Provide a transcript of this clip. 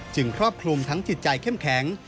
ครอบคลุมทั้งจิตใจเข้มแข็ง